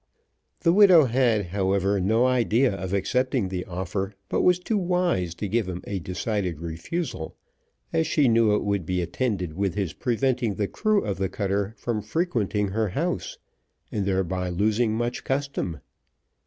The widow had, however, no idea of accepting the offer, but was too wise to give him a decided refusal, as she knew it would be attended with his preventing the crew of the cutter from frequenting her house, and, thereby, losing much custom.